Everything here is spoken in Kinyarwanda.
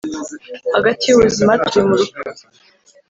hagati yubuzima turi mu rupfu